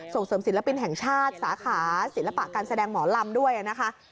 ส่งเสริมศิลปินแห่งชาติสาขาศิลปะการแสดงหมอลำด้วยนะคะ